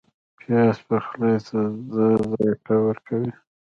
پیاز پخلی ته ذایقه ورکوي